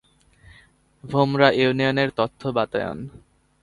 ভোমরা ইউনিয়নের তথ্য বাতায়ন